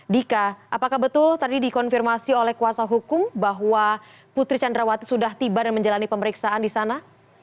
dika apakah betul tadi dikonfirmasi oleh kuasa hukum bahwa putri candrawati sudah tiba dan menjalani pemeriksaan di sana